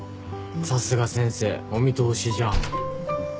さすが先生お見通しじゃん。